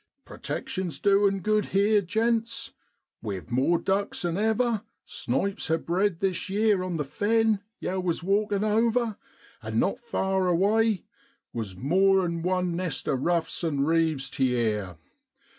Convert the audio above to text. ' Protection's doin' good here, gents. We've more ducks 'an ever; snipes ha' bred this yeer on the fen yow was walkin' over, and not far away was more 'an one nest of ruffs an' reeves t' year.